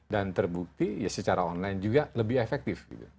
dan terbukti secara online juga lebih efektif